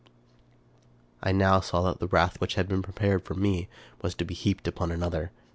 I now saw that the wrath which had been prepared for me was to be heaped upon another.